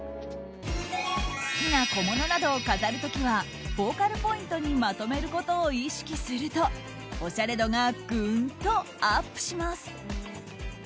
好きな小物などを飾る時はフォーカルポイントにまとめることを意識するとおしゃれ度がグンとアップします。